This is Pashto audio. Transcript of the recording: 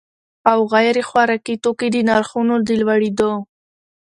او غیر خوراکي توکو د نرخونو د لوړېدو